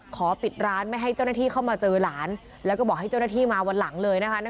ขอปิดร้านไม่ให้เจ้าหน้าที่เข้ามาเจอหลานแล้วก็บอกให้เจ้าหน้าที่มาวันหลังเลยนะคะ